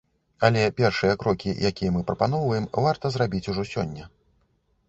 Але першыя крокі, якія мы прапаноўваем, варта зрабіць ужо сёння.